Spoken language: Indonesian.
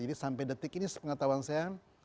jadi sampai detik ini sepengetahuan saya